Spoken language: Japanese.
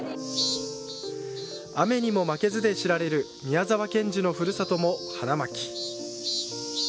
「雨ニモマケズ」で知られる宮沢賢治のふるさとも花巻。